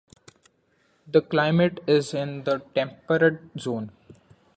The climate is in the temperate zone.